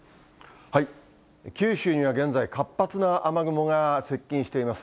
九州には現在、活発な雨雲が接近しています。